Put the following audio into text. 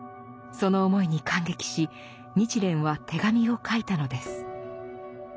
その思いに感激し日蓮は手紙を書いたのです。